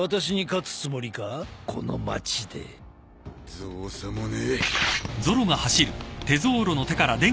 造作もねえ。